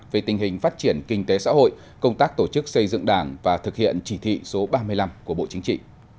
về tình hình phát triển kinh tế xã hội công tác tổ chức xây dựng đảng và thực hiện chỉ thị số ba mươi năm của bộ chính trị